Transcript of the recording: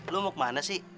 lo mau ke mana sih